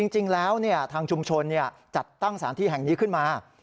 จริงแล้วทางชุมชนจัดตั้งสารที่แห่งนี้ขึ้นมา